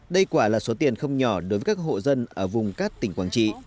đây quả là số tiền không nhỏ đối với các hộ dân ở vùng cát tỉnh quảng trị